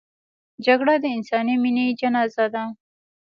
جګړه د انساني مینې جنازه ده